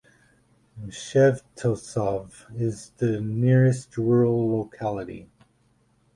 Shevtsov is the nearest rural locality.